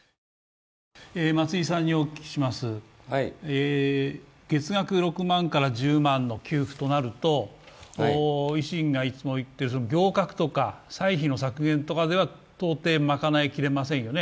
松井さんにお聞きします、月額６万から１０万の給付となると維新がいつも言っている行革とか歳費の削減とかでは到底賄いきれませんよね。